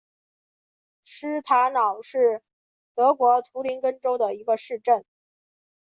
施塔瑙是德国图林根州的一个市镇。